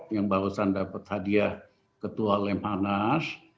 yang barusan dapat hadiah ketua lemhanas